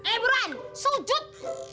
eh buruan sujud